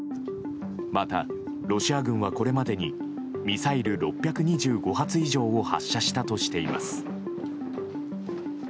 また、ロシア軍はこれまでにミサイル６２５発以上を発射したとしています。